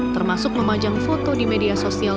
termasuk memajang foto di media sosial